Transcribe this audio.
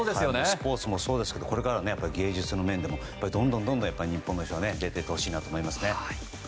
スポーツもそうですし芸術の面でもどんどん日本の人が出て行ってほしいなと思いますね。